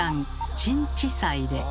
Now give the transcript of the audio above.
「鎮地祭」で。